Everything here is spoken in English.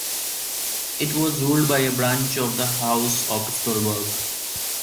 It was ruled by a branch of the House of Stolberg.